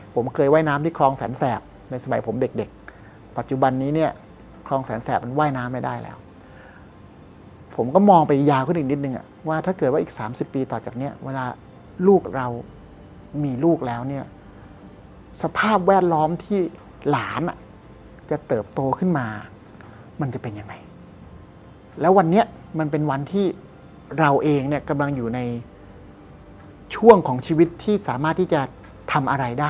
ผมเคยว่าน้ำที่ครองแสนแสบในสมัยผมเด็กเด็กปัจจุบันนี้เนี้ยครองแสนแสบมันว่ายน้ำไม่ได้แล้วผมก็มองไปยาวขึ้นอีกนิดนึงอ่ะว่าถ้าเกิดว่าอีกสามสิบปีต่อจากเนี้ยเวลาลูกเรามีลูกแล้วเนี้ยสภาพแวดล้อมที่หลานอ่ะจะเติบโตขึ้นมามันจะเป็นยังไงแล้ววันนี้มันเป็นวันที่เราเองเนี้ยกํ